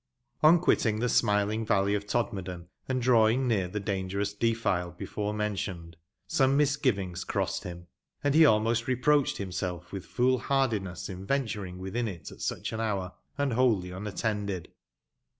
On quitting the smiling Valley of Todmorden, and drawing near the dangerous defile before mentioned, some misgiyings crossed him, and he almost reproached himself with foolhardi ness in venturing within it at such an hour, and wholly un attended.